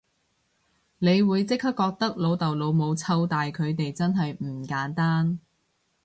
你會即刻覺得老豆老母湊大佢哋真係唔簡單